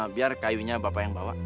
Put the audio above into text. biar kayunya bapak yang bawa